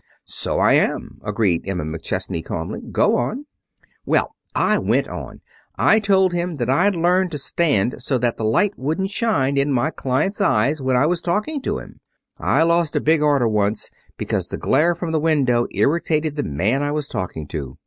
"So I am," agreed Emma McChesney calmly. "Go on." "Well, I went on. I told him that I'd learned to stand so that the light wouldn't shine in my client's eyes when I was talking to him. I lost a big order once because the glare from the window irritated the man I was talking to.